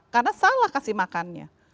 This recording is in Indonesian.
karena salah kasih makannya